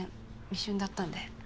一瞬だったんで。